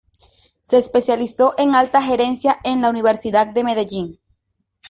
Se especializó en Alta Gerencia en la Universidad de Medellín.